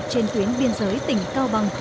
trên tuyến biên giới tỉnh cao bằng